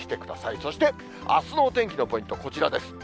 そして、あすのお天気のポイント、こちらです。